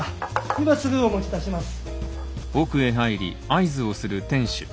今すぐお持ちいたします。